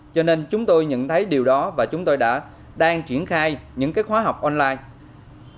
cho nên chúng tôi nhận thấy điều đó và chúng tôi đã đang triển khai những khóa học online